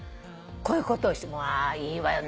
こういうことをしてあいいわよ。